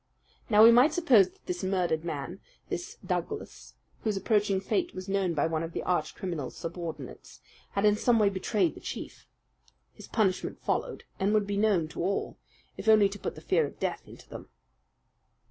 Now we might suppose that this murdered man this Douglas whose approaching fate was known by one of the arch criminal's subordinates had in some way betrayed the chief. His punishment followed, and would be known to all if only to put the fear of death into them."